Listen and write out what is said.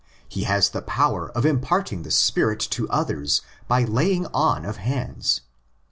He has the power of imparting the Spirit to others by laying on of hands.